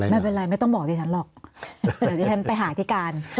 ไม่ต้องบอกดิฉันหรอกเดี๋ยวดิฉันไปหาที่การ